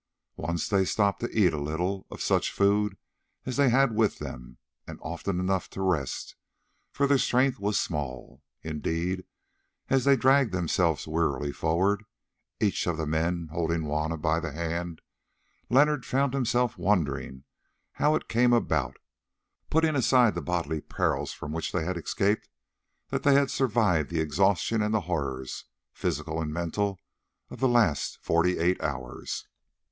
Once they stopped to eat a little of such food as they had with them, and often enough to rest, for their strength was small. Indeed, as they dragged themselves wearily forward, each of the men holding Juanna by the hand, Leonard found himself wondering how it came about, putting aside the bodily perils from which they had escaped, that they had survived the exhaustion and the horrors, physical and mental, of the last forty eight hours.